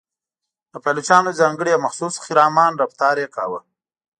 د پایلوچانو ځانګړی او مخصوص خرامان رفتار یې کاوه.